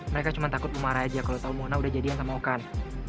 mereka cuma takut lo marah aja kalo tau mona udah jadian sama okan